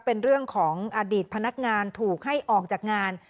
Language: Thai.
เป็นเรื่องของอดีตพนักงานถูกให้ออกจากงาน